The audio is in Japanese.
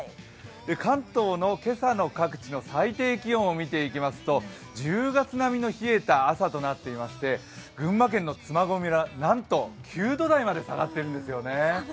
関東の今朝の各地の最低気温を見ていきますと、１０月並みの冷えた朝となっていまして、群馬県の嬬恋ではなんと９度台まで下がっているんですよね。